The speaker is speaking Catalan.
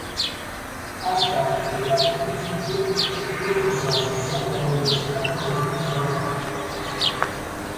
Ha estat catedràtic d'institut i professor associat de la Universitat de les Illes Balears.